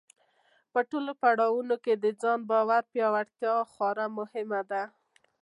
په ټولو پړاوونو کې د ځان باور پیاوړتیا خورا مهمه ده.